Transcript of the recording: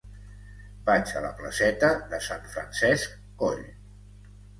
Vaig a la placeta de Sant Francesc Coll.